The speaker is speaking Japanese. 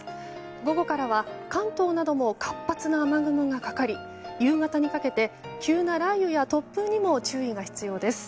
午後からは関東なども活発な雨雲がかかり夕方にかけて急な雷雨や突風にも注意が必要です。